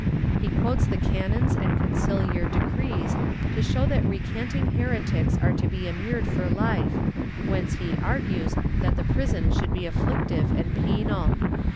He quotes the canons and conciliar decrees to show that recanting heretics are to be immured for hfe, whence he argues that the prison should be afflictive and penal.